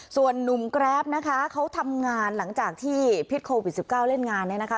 ส่วนนุ่มแกรปนะคะเขาทำงานหลังจากที่พิษโควิด๑๙เล่นงานเนี่ยนะคะ